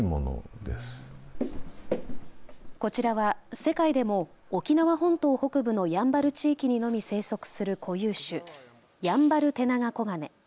こちらは世界でも沖縄本島北部のやんばる地域にのみ生息する固有種ヤンバルテナガコガネ。